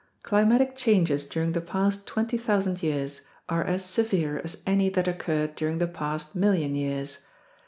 Climatic changes during the past 20,000 years are as severe as any that occurred during the past million years.